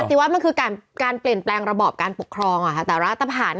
ปฏิวัฒน์มันคือการเปลี่ยนแพลงระบอบการปกครองอะ